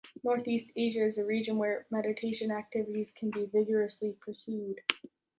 North-East Asia is a region where mediation activities can be vigorously pursued.